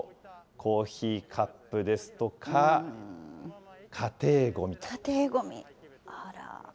コーヒーカップですとか、家庭ごみ、あら。